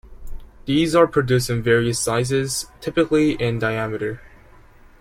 These are produced in various sizes, typically in diameter.